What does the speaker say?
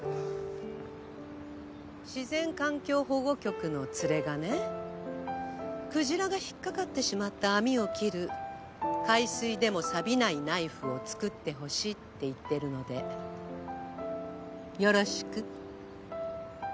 自然環境保護局のツレがねクジラが引っ掛かってしまった網を切る海水でもさびないナイフを作ってほしいって言ってるのでよろしく